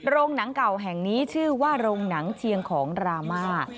โรงหนังเก่าแห่งนี้ชื่อว่าโรงหนังเชียงของรามา